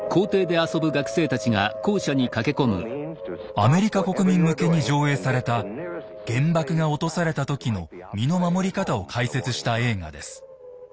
アメリカ国民向けに上映された原爆が落とされた時の身の守り方を解説した映画です。